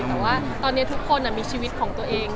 แต่ว่าตอนนี้ทุกคนมีชีวิตของตัวเอง